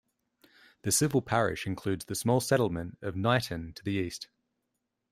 The civil parish includes the small settlement of Knighton to the east.